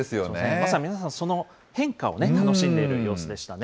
まさに皆さん、その変化を楽しんでいる様子でしたね。